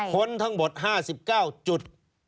ค้นทั้งหมด๕๙จุด